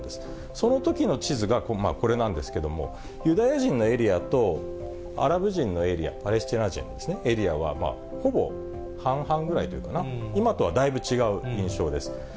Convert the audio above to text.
そのときの地図がこれなんですけども、ユダヤ人のエリアと、アラブ人のエリア、パレスチナ人ですね、のエリアはほぼ半々ぐらいというかな、今とはだいぶ違う印象です。